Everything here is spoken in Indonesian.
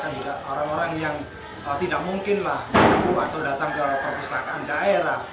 jadi mereka juga orang orang yang tidak mungkinlah jatuh atau datang ke perpustakaan daerah